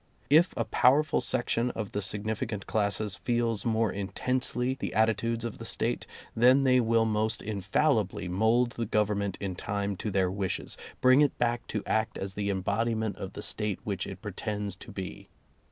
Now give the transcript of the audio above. If a powerful section of the significant classes feels more intensely the attitudes of the State, then they will most infallibly mold the Government in time to their wishes, bring it back to act as the embodiment of the State which it pretends to be.